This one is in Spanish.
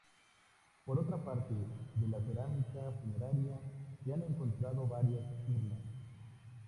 Por otra parte, de la cerámica funeraria se han encontrado varias urnas.